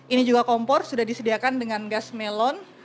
ini juga kompor sudah disediakan dengan gas melon